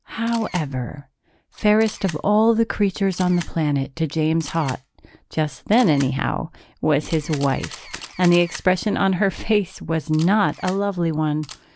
However, fairest of all the creatures on the planet to James Haut just then, anyhow was his wife, and the expression on her face was not a lovely one.